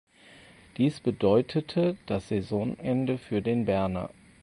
Dies bedeutete das Saisonende für den Berner.